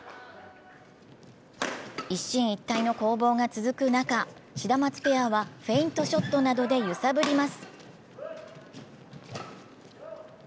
一進一退の攻防が続く中、シダマツペアはフェイントショットなどで揺さぶります。